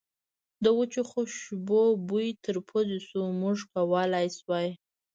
د وچو خوشبو بوی تر پوزې شو، موږ کولای شوای.